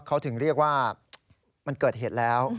เขาถึงเรียกว่ามันเกิดเหตุแล้ว